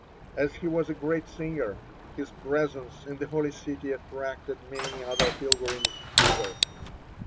As he was a great singer, his presence in the Holy City attracted many other pilgrims thither.